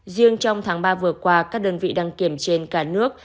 riêng trong tháng ba vừa qua các đơn vị đăng kiểm trên cả nước